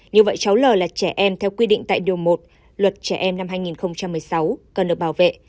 như vậy cháu l là trẻ em theo quy định tại điều một luật trẻ em năm hai nghìn một mươi sáu cần được bảo vệ